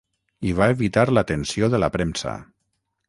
I va evitar l'atenció de la premsa.